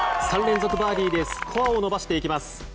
３連続バーディーでスコアを伸ばしていきます。